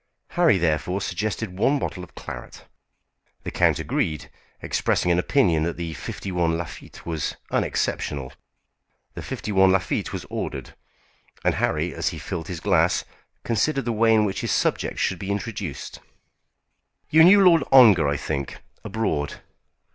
Harry therefore suggested one bottle of claret. The count agreed, expressing an opinion that the 51 Lafitte was unexceptional. The 51 Lafitte was ordered, and Harry, as he filled his glass, considered the way in which his subject should be introduced. "You knew Lord Ongar, I think, abroad?"